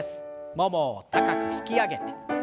ももを高く引き上げて。